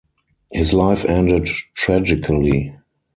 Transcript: His life ended tragically.